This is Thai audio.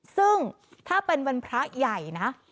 ซึ่งถ้าเป็นวันพระใหญ่นะ